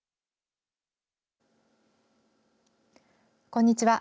こんにちは。